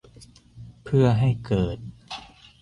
เพื่อให้เกิด